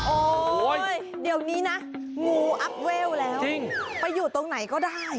โอ๊ยเดี๋ยวนี้นะงูอัพเวลแล้วไปอยู่ตรงไหนก็ได้